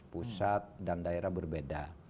pusat dan daerah berbeda